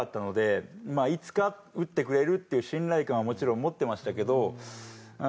まあいつか打ってくれるっていう信頼感はもちろん持ってましたけど。